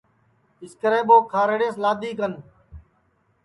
اِسکرے ٻو کھارڑیس لادؔی کن